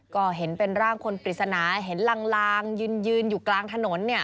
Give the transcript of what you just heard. ก็เห็นเป็นร่างคนปริศนาเห็นลางยืนอยู่กลางถนนเนี่ย